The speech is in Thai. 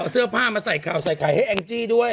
เสื้อผ้ามาใส่ข่าวใส่ไข่ให้แองจี้ด้วย